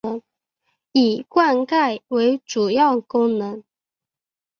以灌溉为主要功能。